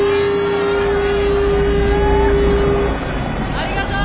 ありがとう！